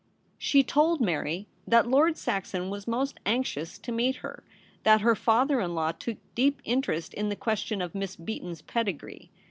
She told Mary that Lord Saxon was most anxious to meet her ; that her father in law took deep interest in the question of Miss Beaton's pedigree.